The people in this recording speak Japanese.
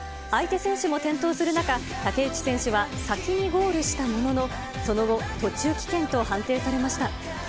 相手選手も転倒する中、竹内選手は先にゴールしたものの、その後、途中棄権と判定されました。